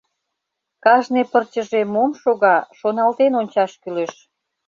— Кажне пырчыже мом шога, шоналтен ончаш кӱлеш.